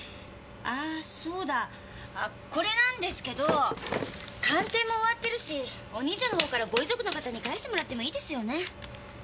あそうだあこれなんですけど鑑定も終わってるしお兄ちゃんの方からご遺族の方に返してもらってもいいですよね？